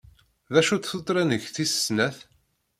D acu-tt tuttra-nnek tis snat?